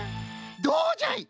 どうじゃい！？